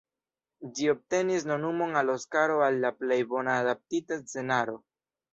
Ĝi obtenis nomumon al Oskaro al la plej bona adaptita scenaro.